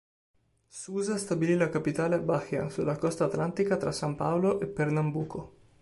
Sousa stabilì la capitale a Bahia, sulla costa atlantica tra San Paolo e Pernambuco.